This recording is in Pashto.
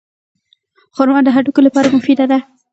خرما د هډوکو لپاره مفیده ده.